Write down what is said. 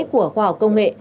của khoa học công nghệ